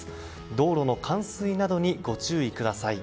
道路の冠水などにご注意ください。